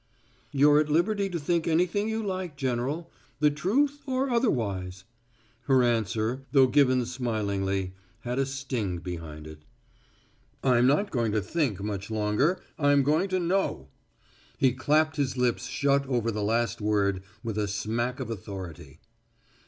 "You're at liberty to think anything you like, General the truth or otherwise." Her answer, though given smilingly, had a sting behind it. "I'm not going to think much longer. I'm going to know!" He clapped his lips shut over the last word with a smack of authority.